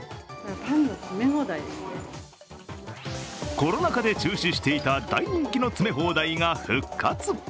コロナ禍で中止していた大人気の詰め放題が復活。